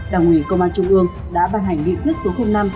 đảng ủy công an trung ương đã ban hành nghị quyết số năm